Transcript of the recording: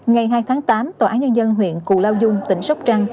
ngày hai tháng tám tòa án nhân dân huyện cù lao dung tỉnh sóc trăng